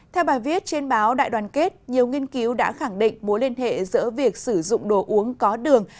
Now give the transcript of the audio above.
theo bài viết trên báo đại đoàn kết nhiều nghiên cứu đã khẳng định mối liên hệ giữa việc sử dụng đồ uống có đường